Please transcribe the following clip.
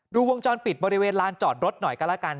วงจรปิดบริเวณลานจอดรถหน่อยก็แล้วกัน